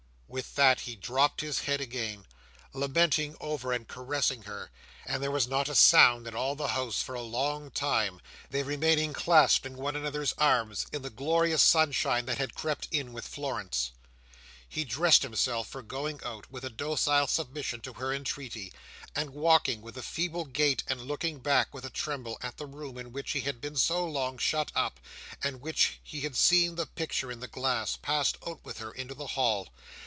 With that he dropped his head again, lamenting over and caressing her, and there was not a sound in all the house for a long, long time; they remaining clasped in one another's arms, in the glorious sunshine that had crept in with Florence. He dressed himself for going out, with a docile submission to her entreaty; and walking with a feeble gait, and looking back, with a tremble, at the room in which he had been so long shut up, and where he had seen the picture in the glass, passed out with her into the hall.